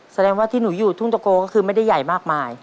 แสดงว่าที่หนูอยู่ทุ่งตะโกก็คือไม่ได้ใหญ่มากมาย